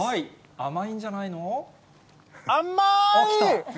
甘いんじゃないの。甘ーい！